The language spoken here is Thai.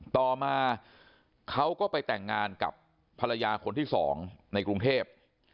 ต่อมาเขาก็ไปแต่งงานกับภรรยาคนที่๒ในกรุงเทพ